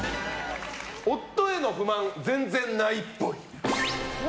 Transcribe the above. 夫への不満全然ないっぽい。